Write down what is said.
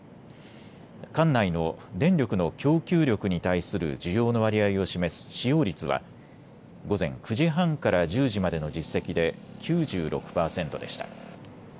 管内の電力の供給力に対する需要の割合を示す使用率は午前９時半から１０時までの実績で９６％でした。